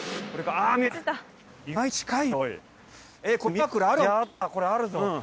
あったこれあるぞ。